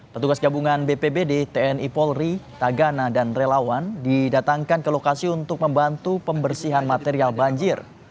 petugas gabungan bpbd tni polri tagana dan relawan didatangkan ke lokasi untuk membantu pembersihan material banjir